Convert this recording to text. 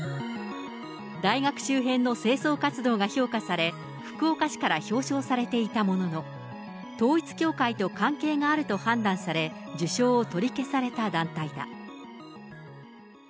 大学周辺の清掃活動が評価され、福岡市から表彰されていたものの、統一教会と関係があると判断され、受賞を取り消された団体だ。